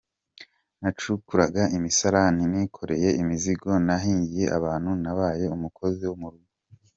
Nacukuraga imisarane, nikoreye imizigo, nahingiye abantu, nabaye umukozi wo mu rugo….